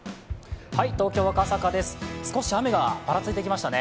東京・赤坂です、少し雨がパラついてきましたね。